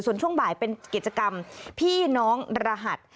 ส่วนช่วงบ่ายเป็นกิจกรรมพี่น้องรหัส